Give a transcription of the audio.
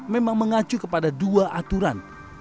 memang mengacu kepada dua aturan